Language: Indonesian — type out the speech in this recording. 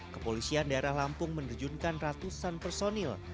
kepolisian daerah lampung menerjunkan ratusan personil